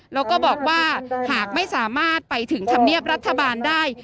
แล้วก็บอกว่าหากไม่สามารถไปถึงธรรมเนียบรัฐบาลได้